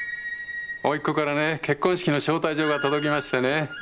おいっ子からね結婚式の招待状が届きましてね。